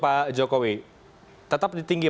pak jokowi tetap di tinggi